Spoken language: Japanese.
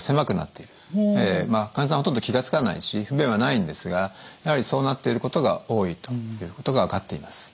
まあ患者さんはほとんど気が付かないし不便はないんですがやはりそうなっていることが多いということが分かっています。